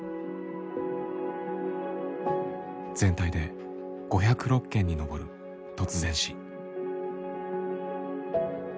全体で５０６件に上る突然死。